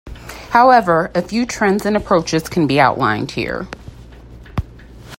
However, a few trends and approaches can be outlined here.